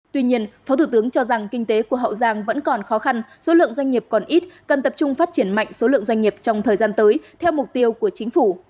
tuy nhiên phó thủ tướng cho rằng kinh tế của hậu giang vẫn còn khó khăn số lượng doanh nghiệp còn ít cần tập trung phát triển mạnh số lượng doanh nghiệp trong thời gian tới theo mục tiêu của chính phủ